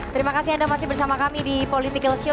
terima kasih anda masih bersama kami di politikalsio